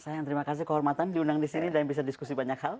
sayang terima kasih kehormatan diundang di sini dan bisa diskusi banyak hal